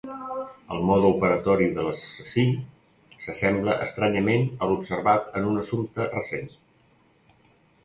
El mode operatori de l'assassí s'assembla estranyament a l'observat en un assumpte recent.